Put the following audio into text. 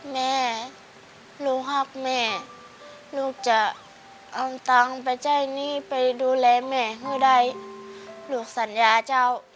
แม่รู้ครับแม่ลูกจะเอาเงินไปใจหนี้ไปดูแลแม่เพื่อได้ลูกสัญญาเจ้า